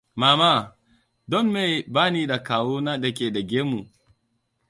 Mama, don me ba ni da kawuna dake da gemu?